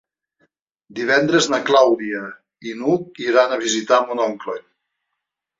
Divendres na Clàudia i n'Hug iran a visitar mon oncle.